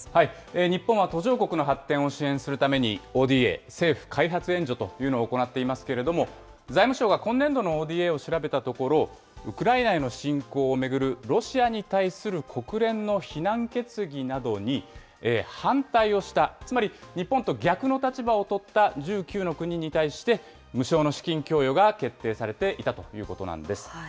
日本は途上国の発展を支援するために、ＯＤＡ・政府開発援助というのを行っていますけれども、財務省が今年度のＯＤＡを調べたところ、ウクライナへの侵攻を巡るロシアに対する国連の非難決議などに反対をした、つまり日本と逆の立場を取った１９の国に対して、無償の資金供与が決定されていたということなんです。